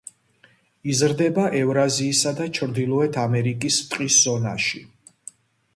იზრდება ევრაზიისა და ჩრდილოეთ ამერიკის ტყის ზონაში.